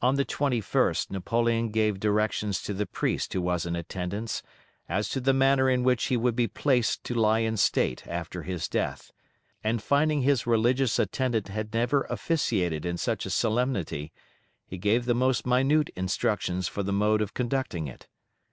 On the 21st Napoleon gave directions to the priest who was in attendance as to the manner in which he would be placed to lie in state after his death; and finding his religious attendant had never officiated in such a solemnity he gave the most minute instructions for the mode of conducting it.